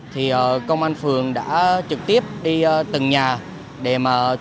thì công an phường đã trực tiếp đi từng nhà để tuyên truyền